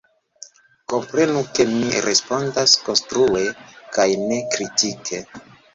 Komprenu, ke mi respondas konstrue kaj ne kritike.